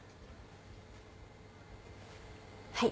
はい。